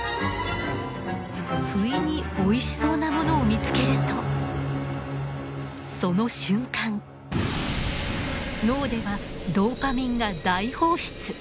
不意においしそうなものを見つけるとその瞬間脳ではドーパミンが大放出。